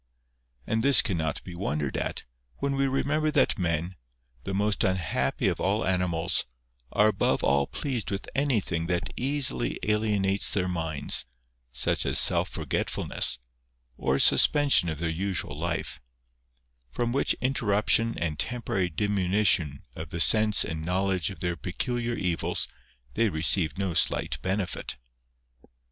And this cannot be wondered at, when we remember that men, the most unhappy of all animals, are above all pleased with anything that easily alienates their minds, such as self forgetfulness, or a suspension of their usual life ; from which interruption and temporary diminution of the sense and knowledge of their peculiar evils they receive no slight benefit.